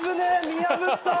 見破った！